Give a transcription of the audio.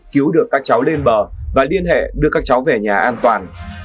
cứu được các cháu lên bờ và liên hệ đưa các cháu về nhà an toàn